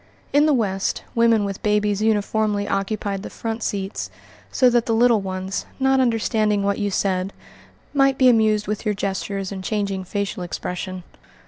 In the West, women with babies uniformly occupied the front seats so that the little ones, not understanding what you said, might be amused with your gestures and changing facial expression.